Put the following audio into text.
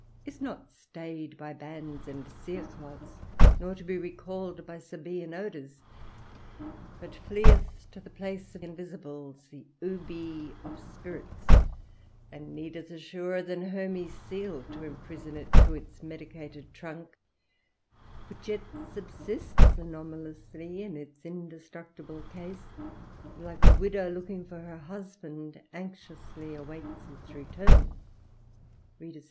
is not stayed by bands and cerecloths, nor to be recalled by Sabaean odors, but fleeth to the place of invisibles, the ubi of spirits, and needeth a surer than Hermes's seal to imprison it to its medicated trunk, which yet subsists anomalously in its indestructible case, and, like a widow looking for her husband, anxiously awaits its return....